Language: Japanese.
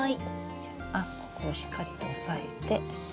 じゃあここをしっかりと押さえて。